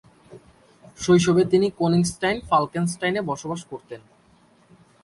শৈশবে তিনি কোনিংস্টাইন-ফাল্কেনস্টাইনে বসবাস করতেন।